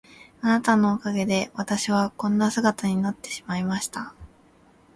あなたのおかげで私はこんな姿になってしまいました。